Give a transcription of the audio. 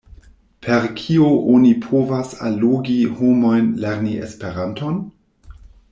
Per kio oni povas allogi homojn lerni Esperanton?